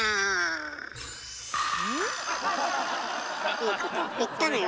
いいこと言ったのよ